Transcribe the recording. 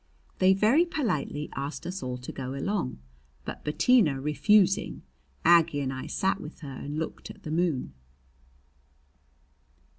They very politely asked us all to go along, but Bettina refusing, Aggie and I sat with her and looked at the moon.